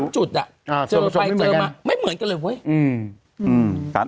๓จุดอะเจอไปเจอมาไม่เหมือนกันเลย